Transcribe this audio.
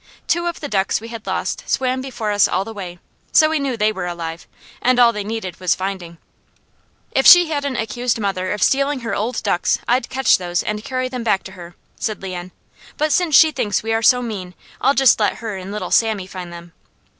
Two of the ducks we had lost swam before us all the way, so we knew they were alive, and all they needed was finding. "If she hadn't accused mother of stealing her old ducks, I'd catch those and carry them back to her," said Leon. "But since she thinks we are so mean, I'll just let her and little Sammy find them."